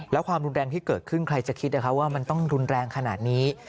แล้วความรุนแรงที่เกิดขึ้นใครจะคิดว่ามันต้องรุนแรงขนาดนี้